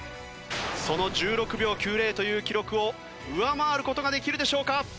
その１６秒９０という記録を上回る事ができるでしょうか？